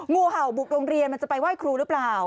งูเห่าบุกโรงเรียนมันจะไปไหว้ครูหรือเปล่า